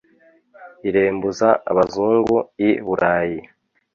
irembuza abazungu i burayi